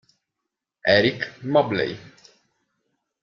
Eric Mobley